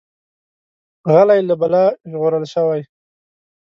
غلی، له بلا ژغورل شوی.